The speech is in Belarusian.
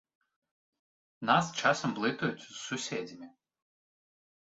Нас часам блытаюць з суседзямі.